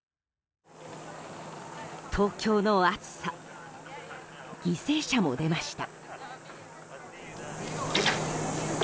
東京の暑さ犠牲者も出ました。